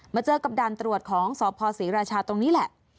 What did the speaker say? เจอกับด่านตรวจของสพศรีราชาตรงนี้แหละ